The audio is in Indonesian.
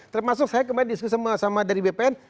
termasuk saya kemarin diskusi sama dari bpn